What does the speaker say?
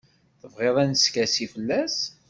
Tebɣiḍ ad neskasi fell-as?